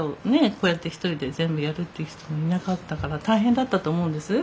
こうやって一人で全部やるっていう人もいなかったから大変だったと思うんです。